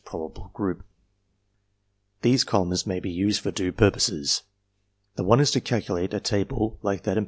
4999992 364 APPENDIX These columns may be used for two purposes. The one is to calculate a table like that in p.